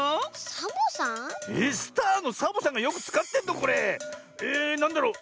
えっスターのサボさんがよくつかってんのこれ？えなんだろう。